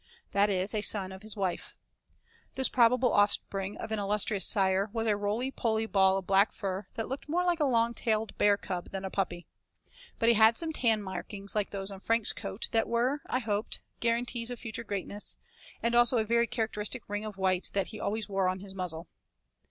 That is, a son of his wife. This probable offspring of an illustrious sire was a roly poly ball of black fur that looked more like a long tailed bearcub than a puppy. But he had some tan markings like those on Frank's coat, that were, I hoped, guarantees of future greatness, and also a very characteristic ring of white that he always wore on his muzzle.